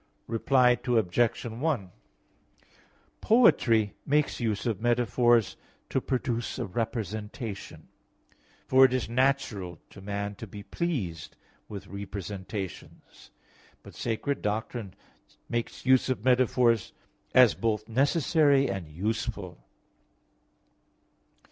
Reply Obj. 1: Poetry makes use of metaphors to produce a representation, for it is natural to man to be pleased with representations. But sacred doctrine makes use of metaphors as both necessary and useful.